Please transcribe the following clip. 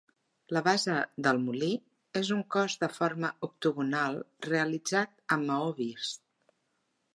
La base del molí és un cos de forma octogonal realitzat amb maó vist.